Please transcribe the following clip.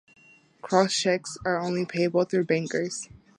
Crossed cheques are only payable through bankers.